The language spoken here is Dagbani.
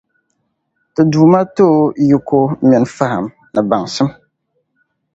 Ti Duuma ti o yiko mini fahim ni baŋsim.